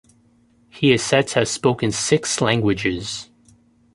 He is said to have spoken six languages.